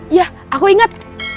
iya aku ingat